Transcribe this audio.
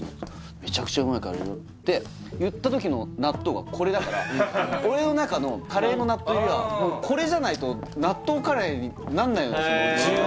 「メチャクチャうまいから入れろ！」って言った時の納豆がこれだから俺の中のカレーの納豆はこれじゃないと納豆カレーになんないの１８